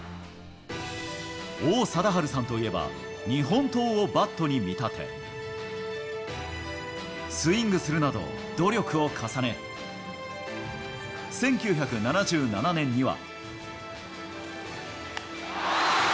王貞治さんといえば、日本刀をバットに見立て、スイングするなど、努力を重ね、１９７７年には。